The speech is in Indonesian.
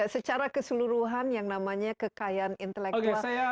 secara keseluruhan yang namanya kekayaan intelektual